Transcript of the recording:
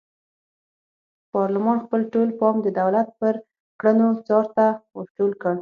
پارلمان خپل ټول پام د دولت پر کړنو څار ته ور ټول کړ.